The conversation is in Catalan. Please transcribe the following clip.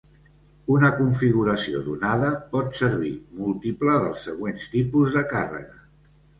Una configuració donada pot servir múltiple dels següents tipus de càrrega.